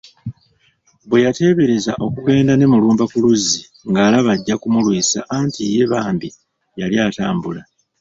Bwe yateebereza okugenda ne Mulumba ku luzzi ng’alaba ajja kumulwisa anti ye bambi yali atambula